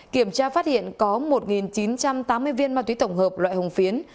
kiểm tra phát hiện có một chín trăm tám mươi viên ma túy tổng hợp loại hồng phiến